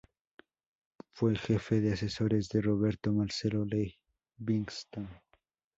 Fue jefe de asesores de Roberto Marcelo Levingston.